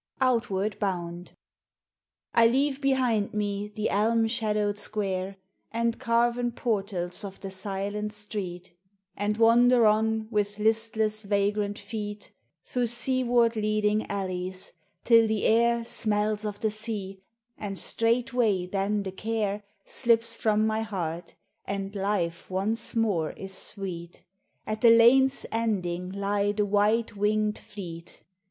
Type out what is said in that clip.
OUTWARD BOUND. I leate behind me the elm shadowed square And carven portals of the silent street, And wander on with listless, vagrant feet Through seaward leading alleys, till the air Smells of the sea, and straightway then the care 124 POEMS OF FANCY. Slips from my heart, and life once more is sweet. At the lane's ending lie the white winged fleet.